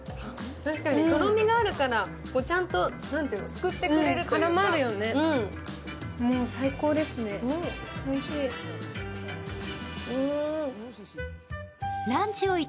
確かにとろみがあるから、ちゃんとすくってくれるというか。